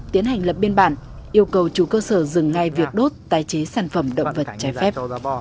tiến hành lập biên bản yêu cầu chủ cơ sở dừng ngay việc đốt tái chế sản phẩm động vật trái phép